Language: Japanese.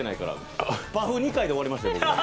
パフ２回で終わりましたよ。